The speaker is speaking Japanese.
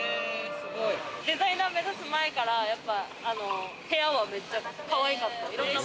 デザイナー目指す前から部屋はめっちゃかわいかった。